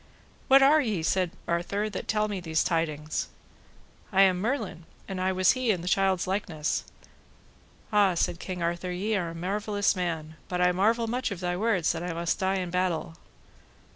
What are ye, said Arthur, that tell me these tidings? I am Merlin, and I was he in the child's likeness. Ah, said King Arthur, ye are a marvellous man, but I marvel much of thy words that I must die in battle.